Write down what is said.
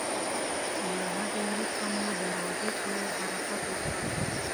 له هغې وروسته مو د روضې په لور حرکت وکړ.